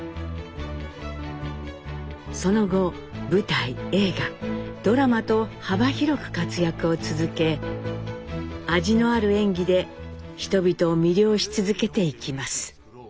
その後舞台映画ドラマと幅広く活躍を続け味のある演技で人々を魅了し続けていきます。